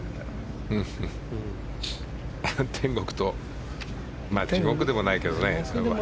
天国と地獄でもないけどね。